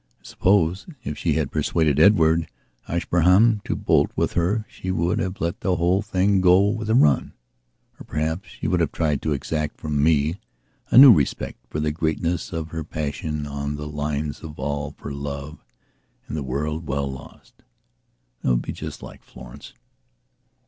I suppose, if she had persuaded Edward Ashburnham to bolt with her she would have let the whole thing go with a run. Or perhaps she would have tried to exact from me a new respect for the greatness of her passion on the lines of all for love and the world well lost. That would be just like Florence.